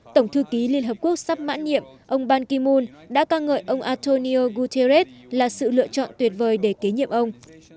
tổng thư ký liên hợp quốc sắp mãn nhiệm ông ban ki moon đã ca ngợi ông antonio guterres là sự lựa chọn tuyệt vời để kế nhiệm ông